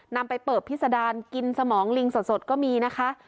นำไปเปิบพิษดารกินสมองลิงสดก็มีนะคะ